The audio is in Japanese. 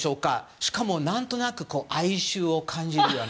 しかも何となく哀愁を感じるような。